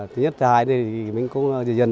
thứ nhất thứ hai thì mình cũng dần dần